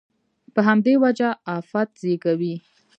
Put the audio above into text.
په همدې وجه افت زېږوي.